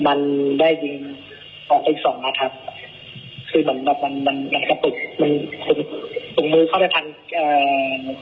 มันได้ยิงออกอีกสองนัดครับคือแบบมันมันมันก็ปลุกมันกลุ่มมือเข้าไปทางอ่า